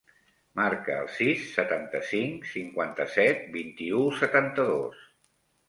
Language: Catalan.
Marca el sis, setanta-cinc, cinquanta-set, vint-i-u, setanta-dos.